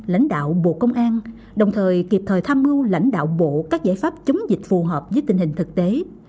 lãnh đạo bộ công an đồng thời kịp thời tham mưu lãnh đạo bộ các giải pháp chống dịch phù hợp với tình hình thực tế